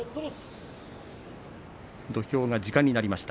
土俵が時間です。